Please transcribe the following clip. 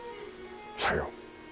さよう。